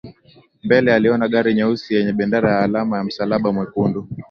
Mbele aliona gari nyeusi yenye bendera ya alama ya msalaba mwekundu